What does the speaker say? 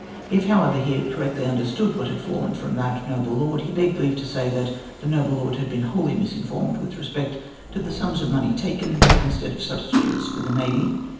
If, however, he had correctly understood what had fallen from that n()])le lord, he begged leave to say, that the noble lord had been wholly misinformed with respect to the sums of money taken instead of substitutes for the navy.